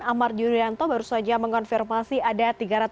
ammar jurianto baru saja mengkonfirmasi ada tiga ratus tiga puluh tujuh